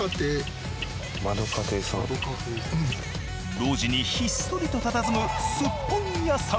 路地にひっそりとたたずむすっぽん屋さん。